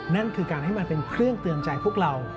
นั่นคือการให้มันเป็นเครื่องเตือนใจพวกเรา